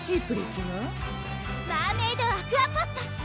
マーメイドアクアポット！